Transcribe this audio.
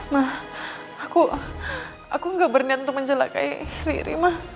ma aku gak berniat untuk mencelakai riri ma